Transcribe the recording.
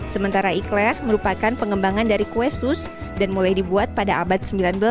sementara ikhlaq merupakan pengembangan dari kue sus dan mulai dibuat pada abad sembilan belas